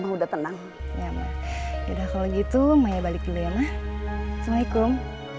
udah tenang ya udah kalau gitu maya balik dulu ya mas assalamualaikum